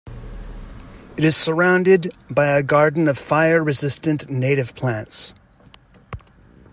It is surrounded by a garden of fire resistant native plants.